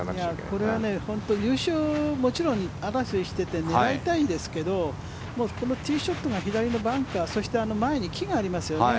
これは本当に優勝争いをしていて狙いたいんですけどこのティーショットが左のバンカーそして、前に木がありますよね。